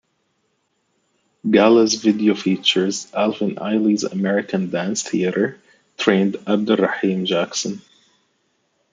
Gala's video features the "Alvin Ailey American Dance Theatre" trained "Abdur-Rahim Jackson".